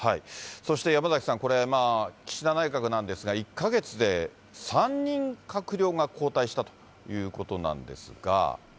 そして山崎さん、これ、岸田内閣なんですが、１か月で３人閣僚が交代したということなんですが。